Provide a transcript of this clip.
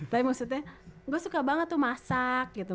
tapi maksudnya gue suka banget tuh masak gitu